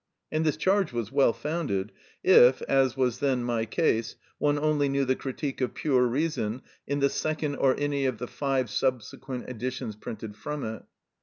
And this charge was well founded, if, as was then my case, one only knew the "Critique of Pure Reason" in the second or any of the five subsequent editions printed from it.